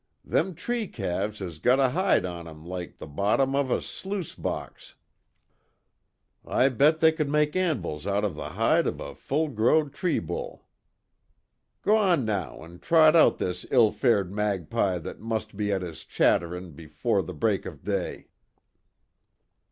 Thim tree calves has got a hide on 'em loike the bottom av a sluice box. Oi bet they could make anvils out av the hide av a full grow'd tree bull. G'wan now an' trot out this ill fared magpie that must be at his chatterin' befoor the break av day!"